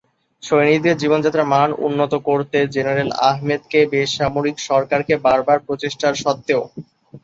সৈনিকদের জীবনযাত্রার মান উন্নত করতে জেনারেল আহমেদকে বেসামরিক সরকারকে বার বার প্রচেষ্টার সত্ত্বেও।